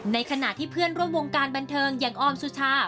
ในขณะที่เพื่อนร่วมวงการบันเทิงอย่างออมสุชา